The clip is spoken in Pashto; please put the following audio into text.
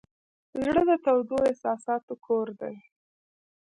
زړه د تودو احساساتو کور دی.